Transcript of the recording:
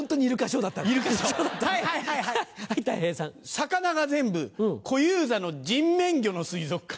魚が全部小遊三の人面魚の水族館。